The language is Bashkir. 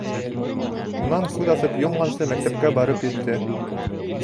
Унан күҙ асып йомғансы мәктәпкә барып етте.